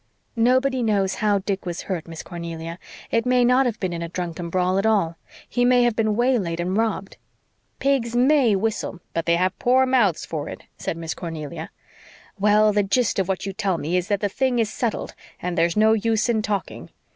"Nobody knows how Dick was hurt, Miss Cornelia. It may not have been in a drunken brawl at all. He may have been waylaid and robbed." "Pigs MAY whistle, but they've poor mouths for it," said Miss Cornelia. "Well, the gist of what you tell me is that the thing is settled and there's no use in talking.